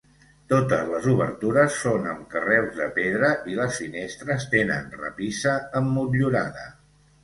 Totes les obertures són amb carreus de pedra i les finestres tenen rapissa emmotllurada.